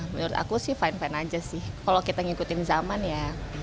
menurut aku sih fine fine aja sih kalau kita ngikutin zaman ya